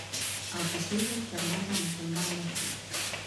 ابوجهل تر مرګه مسلمان نه شو.